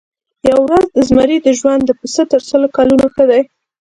یوه ورځ د زمري ژوند د پسه تر سلو کلونو ښه دی.